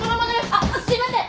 あっあっすいません。